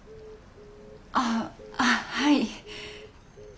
あああはい。